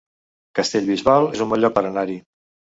Castellbisbal es un bon lloc per anar-hi